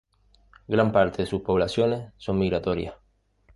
Gran parte de sus poblaciones son migratorias.